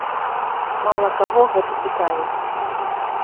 Мала каго гэта цікавіць.